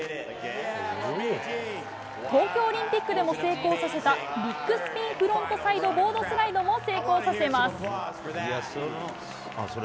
東京オリンピックでも成功させた、ビッグスピンフロントサイドボードスライドも成功させます。